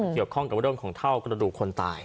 เกี่ยวข้องกับเรื่องของเท่ากระดูกคนตาย